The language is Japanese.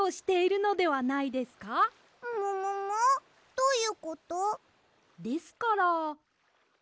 どういうこと？ですから。